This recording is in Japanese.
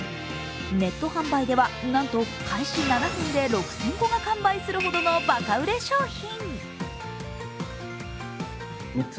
ネット販売ではなんと開始７分で６０００個が完売するほどのバカ売れ商品。